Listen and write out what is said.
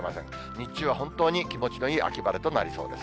日中は本当に気持ちのいい秋晴れとなりそうです。